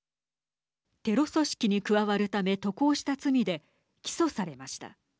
テロ組織に加わるため渡航した罪で起訴されました。